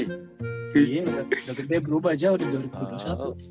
udah gede berubah jah udah dua ribu dua puluh satu